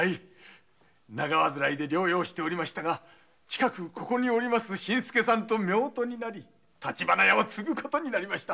長患いで療養していましたが近くこの新助さんと夫婦になり橘屋を継ぐことになりました。